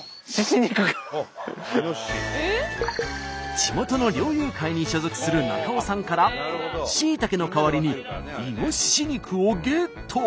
地元の猟友会に所属する中尾さんからしいたけの代わりにいのしし肉をゲット！